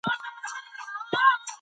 لوستې نجونې د ټولنې شفافې لارې غوره کوي.